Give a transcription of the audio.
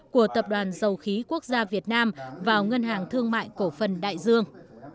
của tập đoàn dầu khí quốc gia việt nam vào ngân hàng thương mại cổ phần đại dương